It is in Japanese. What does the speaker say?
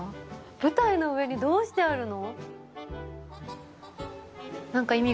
舞台の上にどうしてあるの？